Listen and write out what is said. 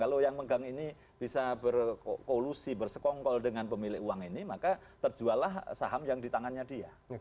kalau yang megang ini bisa berkolusi bersekongkol dengan pemilik uang ini maka terjuallah saham yang di tangannya dia